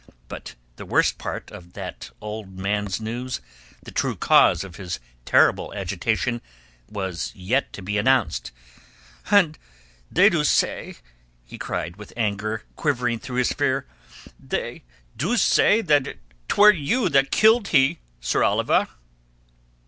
But the worst part of that old man's news, the true cause of his terrible agitation, was yet to be announced. "And they do zay," he cried with anger quivering through his fear, "they do zay that it were you that killed he, Sir Oliver."